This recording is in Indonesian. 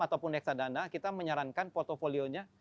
ataupun reksadana kita menyarankan portfolio nya